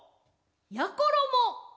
やころも。